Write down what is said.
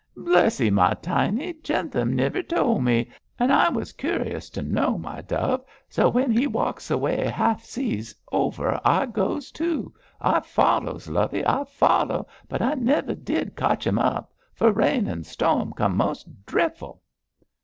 'Bless 'ee, my tiny! Jentham nivir tole me. An' I was curis to know, my dove, so when he walks away half seas over I goes too. I follows, lovey, I follow, but I nivir did cotch him up, fur rain and storm comed mos' dreful.'